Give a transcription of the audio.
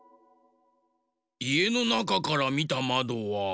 いえのなかからみたまどは？